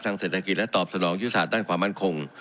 เศรษฐกิจและตอบสนองยุทธศาสตร์ด้านความมั่นคง